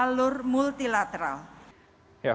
lalu dijalur multilateral